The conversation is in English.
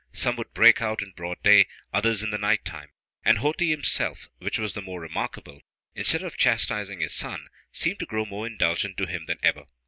Some would break out in broad day, others in the night time. And Ho ti himself, which was the more remarkable, instead of chastising his son, seemed to grow more indulgent to him than ever.